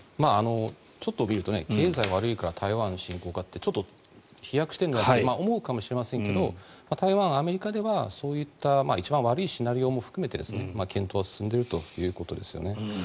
ちょっと見ると経済が悪いから台湾進攻かってちょっと、飛躍してるんじゃって思うかもしれませんが台湾、アメリカではそういった一番悪いシナリオも含めて検討は進んでいるということですよね。